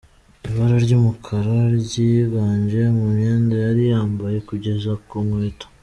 Ibara ry'umukara ryiganje mu myenda yari yambaye kugeza ku nkweto.